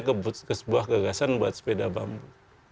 menuntun saya ke sebuah gagasan buat sepeda bambu